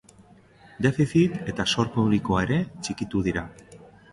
Defizit eta zor publikoa ere txikitu dira.